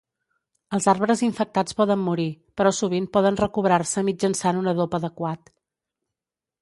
Els arbres infectats poden morir, però sovint poden recobrar-se mitjançant un adob adequat.